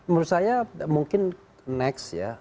menurut saya mungkin next ya